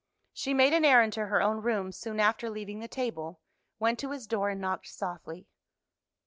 She made an errand to her own rooms soon after leaving the table, went to his door and knocked softly.